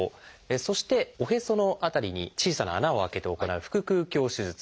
そしておへその辺りに小さな穴を開けて行う「腹腔鏡手術」。